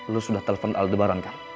lo sudah telepon aldebaran